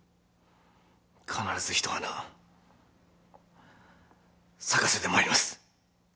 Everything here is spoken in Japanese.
「必ずひと花咲かせてまいります」